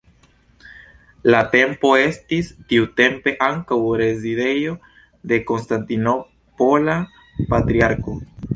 La templo estis tiutempe ankaŭ rezidejo de konstantinopola patriarko.